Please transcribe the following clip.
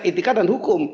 etika dan hukum